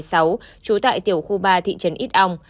trú tại tiểu khu ba thị trấn ít âu